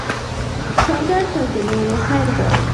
سوالګر تل د نورو خیر غواړي